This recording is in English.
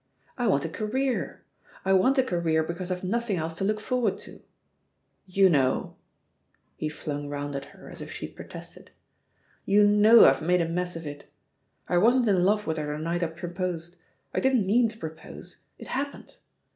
I want a career. I want a career because I've nothing else to look forward to. ... You hnowr He flung round at her as if she had pro tested. "You know I've made a mess of it I I wasn't in love with her the night I proposed ; I didn't mean to propose. It happened.